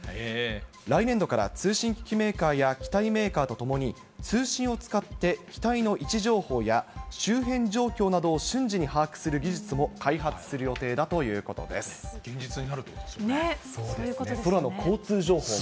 来年度から通信機器メーカーや、機体メーカーと共に、通信を使って機体の位置情報や周辺状況などを瞬時に把握する技術現実になるということですね。